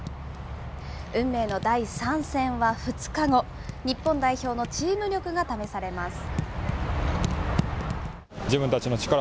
運命の第３戦は２日後、日本代表のチーム力が試されます。